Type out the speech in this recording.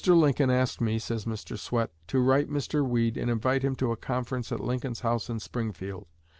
Lincoln asked me," says Mr. Swett, "to write Mr. Weed and invite him to a conference at Lincoln's house in Springfield.